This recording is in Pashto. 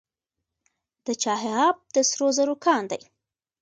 د چاه اب د سرو زرو کان دی